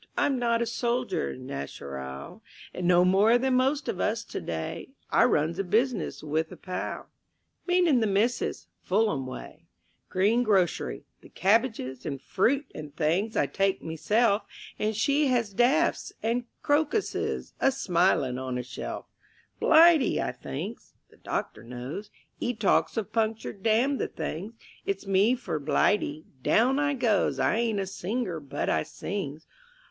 I'm not a soldier nacheral, No more than most of us to day; I runs a business with a pal (Meaning the Missis) Fulham way; Greengrocery the cabbages And fruit and things I take meself, And she has dafts and crocuses A smiling on a shelf. "Blighty," I thinks. The doctor knows; 'E talks of punctured damn the things. It's me for Blighty. Down I goes; I ain't a singer, but I sings.